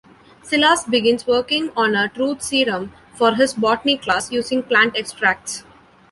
Silas begins working on a truth serum for his Botany class, using plant extracts.